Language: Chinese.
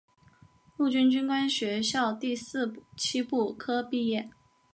陆军军官学校第四期步科毕业。